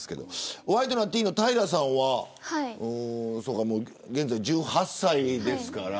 ワイドナティーンの平さんは現在１８歳ですから。